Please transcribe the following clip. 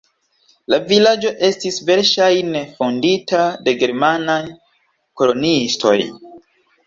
La vilaĝo estis verŝajne fondita de germanaj koloniistoj.